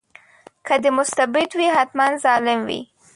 که دی مستبد وي حتماً ظالم وي.